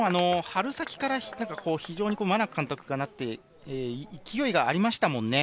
春先から非常に真名子監督が勢いがありましたもんね。